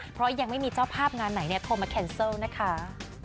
เพราะยังไม่มีเจ้าภาพงานไหนโทรมาแคนเซิลนะคะ